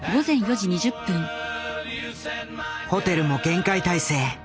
ホテルも厳戒態勢。